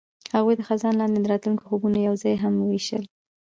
هغوی د خزان لاندې د راتلونکي خوبونه یوځای هم وویشل.